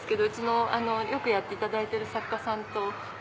うちでよくやっていただいてる作家さんと。